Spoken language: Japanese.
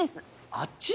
「あっち」？